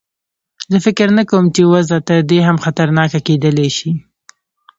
زه فکر نه کوم چې وضع تر دې هم خطرناکه کېدلای شي.